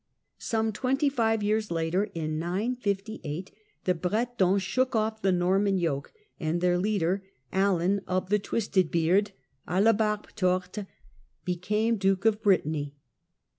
Some twenty five years later, in 958, the Bretons shook off the Norman yoke, and their leader, Alan of the Twisted Beard {a la Barhe Torte\ became duke of Brit anny.